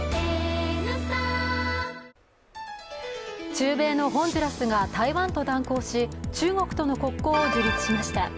中米のホンジュラスが台湾と断交し、中国との国交を樹立しました。